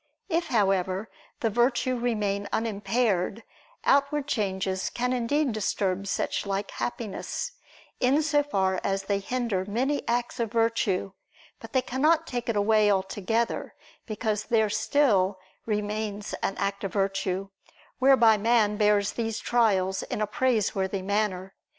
If, however, the virtue remain unimpaired, outward changes can indeed disturb such like happiness, in so far as they hinder many acts of virtue; but they cannot take it away altogether because there still remains an act of virtue, whereby man bears these trials in a praiseworthy manner.